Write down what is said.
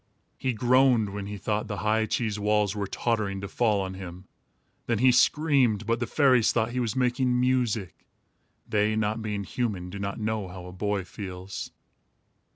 He groaned when he thought the high cheese walls were tottering to fall on him. Then he screamed, but the fairies thought he was making music. They, not being human, do not know how a boy feels.